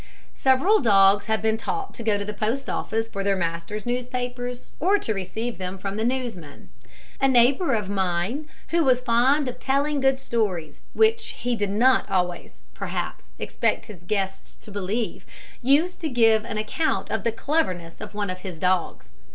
Several dogs have been taught to go to the post office for their masters' newspapers, or to receive them from the newsman. A neighbour of mine, who was fond of telling good stories which he did not always, perhaps, expect his guests to believe used to give an account of the cleverness of one of his dogs.